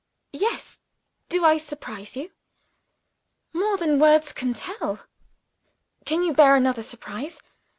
_" "Yes. Do I surprise you?" "More than words can tell!" "Can you bear another surprise?